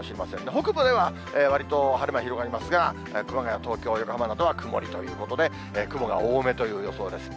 北部ではわりと晴れ間広がりますが、熊谷、東京、横浜などは曇りということで、雲が多めという予想です。